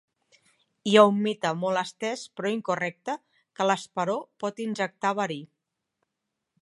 Hi ha un mite molt estès però incorrecte que l'esperó pot injectar verí.